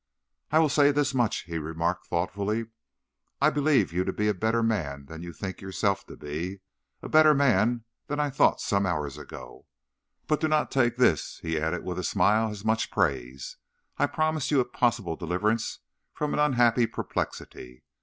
"I will say this much," he remarked, thoughtfully: "I believe you to be a better man than you think yourself to be, and a better man than I thought some hours ago. But do not take this," he added, with a smile, "as much praise. I promised you a possible deliverance from an unhappy perplexity.